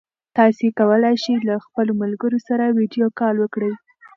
تاسي کولای شئ له خپلو ملګرو سره ویډیو کال وکړئ.